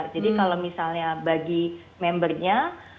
jadi kalau misalnya bagi membernya